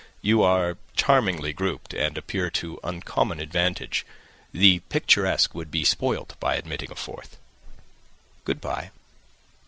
You are charmingly grouped, and appear to uncommon advantage. The picturesque would be spoilt by admitting a fourth. Good bye."